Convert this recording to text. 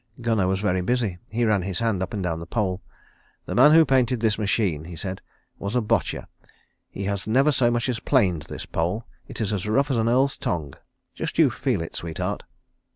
Gunnar was very busy. He ran his hand up and down the pole. "The man who painted this machine," he said, "was a botcher. He has never so much as planed this pole. It is as rough as an earl's tongue. Just you feel it, sweetheart."